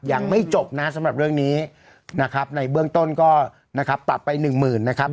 ยังไม่จบนะสำหรับเรื่องนี้นะครับในเบื้องต้นก็นะครับปรับไปหนึ่งหมื่นนะครับ